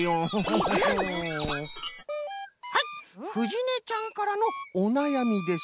はいふじねちゃんからのおなやみです。